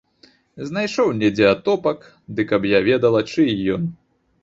Знайшоў недзе атопак, ды каб я ведала, чый ён!